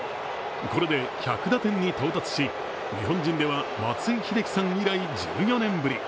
これで１００打点に到達し日本人では松井秀喜さん以来１４年ぶり。